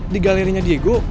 di galerinya diego